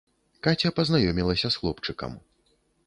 Каця пазнаёмілася з хлопчыкам.